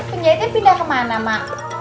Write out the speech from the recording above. penjahitnya pindah kemana mak